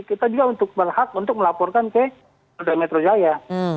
kita juga untuk berhak untuk melaporkan ke polda metro jaya